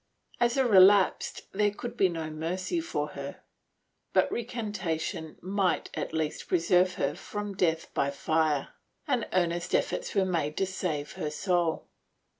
As a relapsed there could be no mercy for her, but recantation might at least preserve her from death by fire, and earnest efforts were made to save her soul.